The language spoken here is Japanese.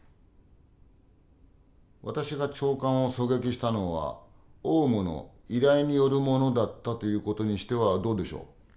私が長官を狙撃したのはオウムの依頼によるものだったという事にしてはどうでしょう？